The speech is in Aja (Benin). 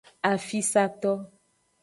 Afisato.